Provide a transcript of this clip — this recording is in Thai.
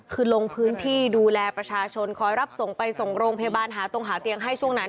คือลงพื้นที่ดูแลประชาชนคอยรับส่งไปส่งโรงพยาบาลหาตรงหาเตียงให้ช่วงนั้น